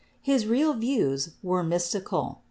His real views were mystical.